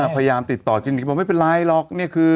พยายามติดต่อคลินิกบอกไม่เป็นไรหรอก